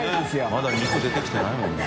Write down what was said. まだ肉出てきてないもんな。